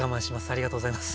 ありがとうございます。